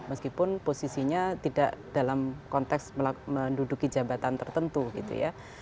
meskipun posisinya tidak dalam konteks menduduki jabatan tertentu gitu ya